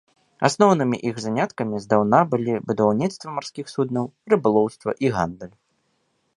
Асноўнымі іх заняткамі здаўна былі будаўніцтва марскіх суднаў, рыбалоўства і гандаль.